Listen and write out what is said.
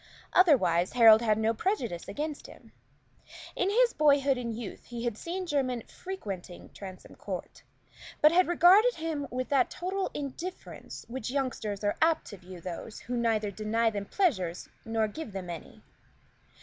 Otherwise, Harold had no prejudice against him. In his boyhood and youth he had seen Jermyn frequenting Transome Court, but had regarded him with that total indifference with which youngsters are apt to view those who neither deny them pleasure nor give them any.